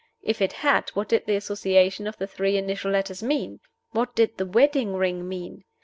If it had, what did the association of the three initial letters mean? What did the wedding ring mean?